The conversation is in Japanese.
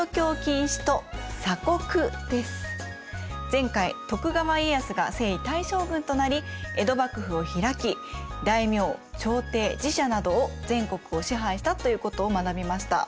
前回徳川家康が征夷大将軍となり江戸幕府を開き大名朝廷寺社などを全国を支配したということを学びました。